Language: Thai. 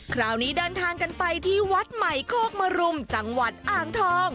คราวนี้เดินทางกันไปที่วัดใหม่โคกมรุมจังหวัดอ่างทอง